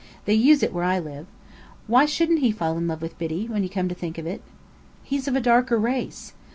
They use it where I live. Why shouldn't he fall in love with Biddy, when you come to think of it?" "He's of a darker race.